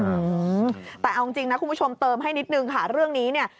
อืมแต่เอาจริงจริงนะคุณผู้ชมเติมให้นิดนึงค่ะเรื่องนี้เนี่ย